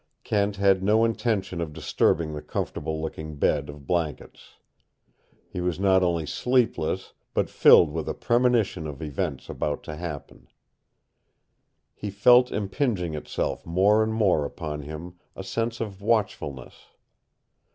Kent had no intention of disturbing the comfortable looking bed of blankets. He was not only sleepless, but filled with a premonition of events about to happen. He felt impinging itself more and more upon him a sense of watchfulness.